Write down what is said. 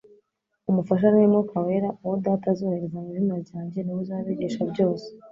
"Umufasha ni we Mwuka wera, uwo Data azohereza mu izina ryanjye, ni we uzabigisha byose."